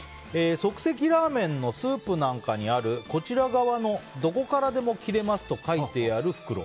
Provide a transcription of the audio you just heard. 即席ラーメンのスープなんかにあるこちら側のどこからでも切れますと書いてある袋。